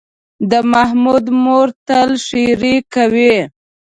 د محمود مور تل ښېرې کوي.